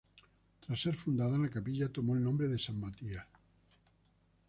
Tras ser fundada, la capilla tomó el nombre de San Matías.